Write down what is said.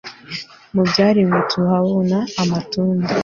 Mu byaremwe tuhabona amatunda